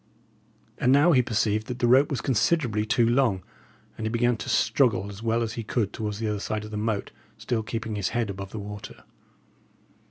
And now he perceived that the rope was considerably too long, and he began to struggle as well as he could towards the other side of the moat, still keeping his head above water.